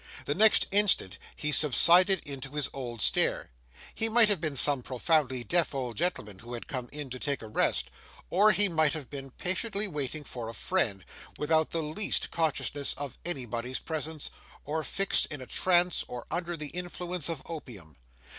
The next instant he subsided into his old state. He might have been some profoundly deaf old gentleman, who had come in to take a rest, or he might have been patiently waiting for a friend, without the least consciousness of anybody's presence, or fixed in a trance, or under the influence of opium.